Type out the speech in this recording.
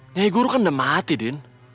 nyai guru kan udah mati din